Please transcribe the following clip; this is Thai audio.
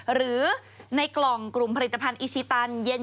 หรือในกล่องกลุ่มผลิตภัณฑ์อิชิตันเย็น